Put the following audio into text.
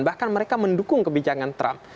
bahkan mereka mendukung kebijakan trump